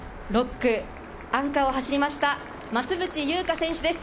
６区、アンカーを走りました、増渕祐香選手です。